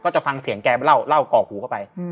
จะฟังเสียงแกเล่ากอกหูเข้าไป